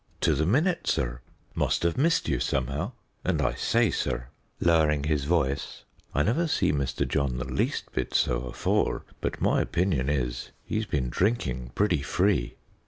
"To the minute, sir; must have missed you somehow, and, I say, sir," lowering his voice, "I never see Mr. John the least bit so afore, but my opinion is he's been drinking pretty free.